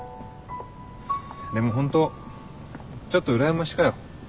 でもホントちょっとうらやましかよ。